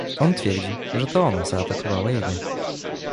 on twierdzi, że to ona zaatakowała jego